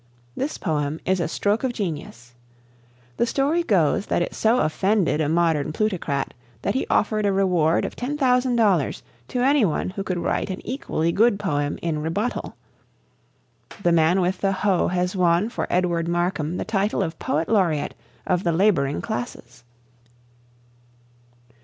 This poem is a stroke of genius. The story goes that it so offended a modern plutocrat that he offered a reward of $10,000 to any one who could write an equally good poem in rebuttal. "The Man With the Hoe" has won for Edwin Markham the title of "Poet Laureate of the Labouring Classes."